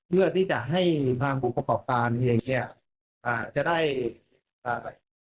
เพื่อที่จะให้ทางผู้ประกอบการเองเนี้ยอ่าจะได้อ่าไป